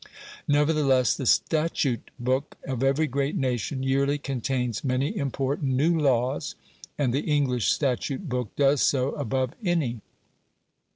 Nevertheless, the statute book of every great nation yearly contains many important new laws, and the English statute book does so above any.